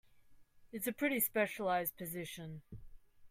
It's a pretty specialized position.